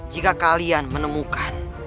jika kalian menemukan